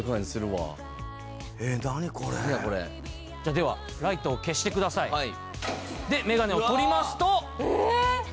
ではライトを消してください。でメガネを取りますと。